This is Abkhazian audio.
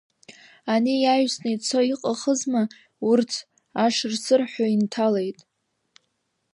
Ани иаҩсны ицо иҟахызма урҭ, ашыр-сырҳәа инҭалеит.